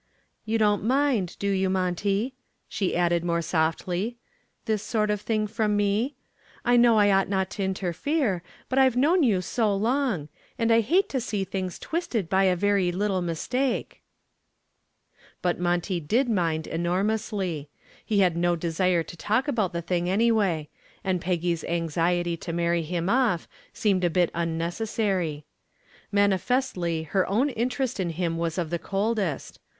"You don't mind, do you, Monty," she added, more softly, "this sort of thing from me? I know I ought not to interfere, but I've known you so long. And I hate to see things twisted by a very little mistake." But Monty did mind enormously. He had no desire to talk about the thing anyway, and Peggy's anxiety to marry him off seemed a bit unnecessary. Manifestly her own interest in him was of the coldest.